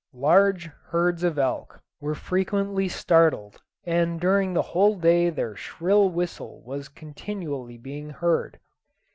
Large herds of elk were frequently started, and during the whole day their shrill whistle was continually being heard.